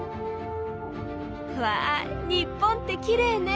わあ日本ってきれいね。